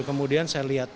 kemudian saya lihat itu